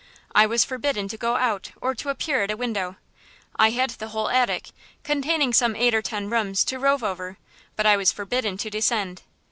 I was forbidden to go out or to appear at a window. I had the whole attic, containing some eight or ten rooms, to rove over, but I was forbidden to descend.